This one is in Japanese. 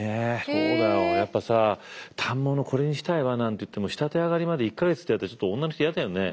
そうだよやっぱさ「反物これにしたいわ」なんて言っても仕立て上がりまで１か月と言われるとちょっと女の人嫌だよね？